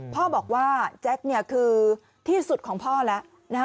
พ่อบอกว่าแจ็คคือที่สุดของพ่อแล้ว